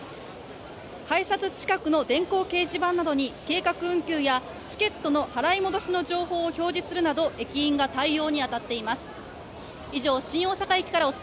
改札近くの電光掲示板などに計画運休やチケットの払い戻しの情報を表示するなど駅員が対応に当たっています。